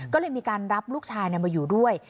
ก็เลยมีการรับลูกชายมาอยู่ด้วย